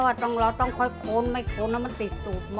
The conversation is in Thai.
เราต้องค่อยโคมไม่โคมแล้วมันติดตูปหม้อ